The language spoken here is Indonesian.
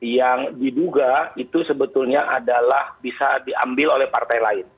yang diduga itu sebetulnya adalah bisa diambil oleh partai lain